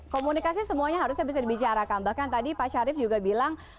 komunikasi semuanya harusnya bisa dibicarakan bahkan tadi pak syarif juga bilang